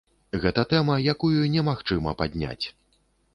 Гэта тэма, якую немагчыма падняць.